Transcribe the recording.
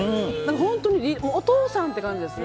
本当にお父さんっていう感じです。